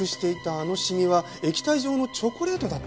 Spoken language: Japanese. あの染みは液体状のチョコレートだったんですね。